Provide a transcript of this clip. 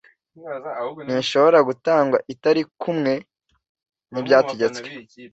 ntishobora gutangwa itari kumwe n’ ibyategetswe